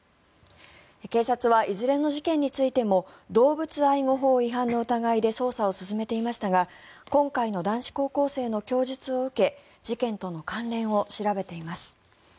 警察はいずれの事件についても動物愛護法違反の疑いで捜査を進めていましたが今回の男子高校生の供述を受け事件との関連を調べています。